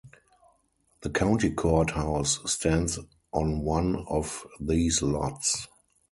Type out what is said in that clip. The county court house stands on one of these lots.